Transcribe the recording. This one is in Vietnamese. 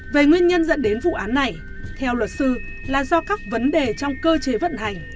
về nguyên nhân dẫn đến vụ án này theo luật sư là do các vấn đề trong cơ chế vận hành